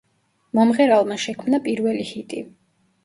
მომღერალმა შექმნა პირველი ჰიტი.